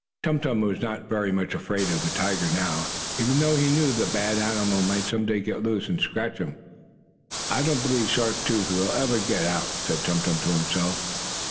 Tum Tum was not very much afraid of the tiger now, even though he knew the bad animal might some day get loose and scratch him. "I don't believe Sharp Tooth will ever get out," said Tum Tum to himself.